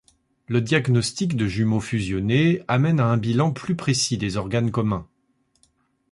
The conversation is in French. Le diagnostic de jumeaux fusionnés amène un bilan plus précis des organes communs.